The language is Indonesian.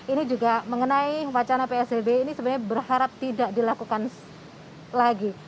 ini juga mengenai wacana psbb ini sebenarnya berharap tidak dilakukan lagi